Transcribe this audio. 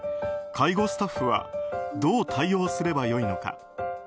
介護スタッフはどう対応すればよいのか。